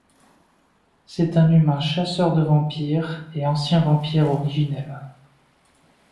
C'est un humain chasseur de vampires et ancien Vampire Originel.